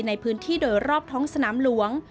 ในพื้นที่โดยรอบท้องสนามหลวง